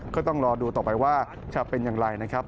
ก็ต้องรอดูต่อไปว่าจะเป็นอย่างไรนะครับ